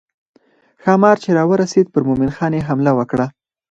ښامار چې راورسېد پر مومن خان یې حمله وکړه.